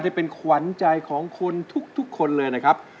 ได้เป็นขวัญใจของคนทุกคนเลยนะครับ